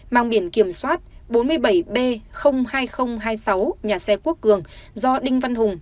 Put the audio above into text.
mang biển kiểm soát bốn mươi bảy b hai nghìn hai mươi sáu nhà xe quốc cường do đinh văn hùng